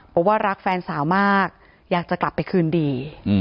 บอกว่ารักแฟนสาวมากอยากจะกลับไปคืนดี